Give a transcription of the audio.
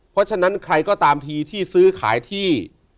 เพราะฉะนั้นใครก็ตามทีที่ซื้อขายที่